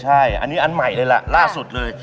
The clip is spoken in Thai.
ใช่อันนี้อันใหม่เลยล่ะล่าสุดเลย